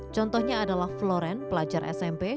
contohnya adalah floren pelajar smp